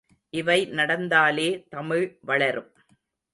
இவை நடந்தாலே தமிழ் வளரும்.